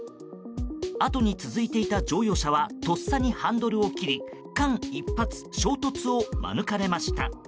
あとに続いていた乗用車はとっさにハンドルを切り間一髪、衝突を免れました。